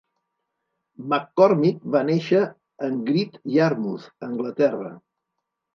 McCormick va néixer en Great Yarmouth, Anglaterra.